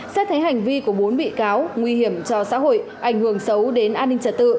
xét thấy hành vi của bốn bị cáo nguy hiểm cho xã hội ảnh hưởng xấu đến an ninh trật tự